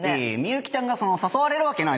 幸ちゃんが誘われるわけない。